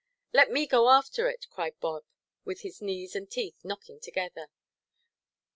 "Let me go after it," cried Bob, with his knees and teeth knocking together.